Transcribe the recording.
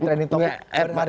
trending topic dari hari hari